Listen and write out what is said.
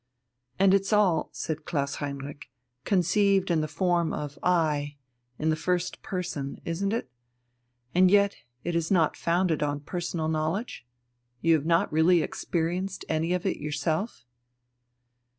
"And it's all," said Klaus Heinrich, "conceived in the form of 'I,' in the first person, isn't it? And yet it is not founded on personal knowledge? You have not really experienced any of it yourself?"